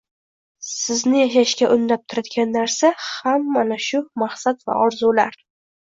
Sizni yashashga undab turadigan narsa ham mana shu – maqsad va orzular.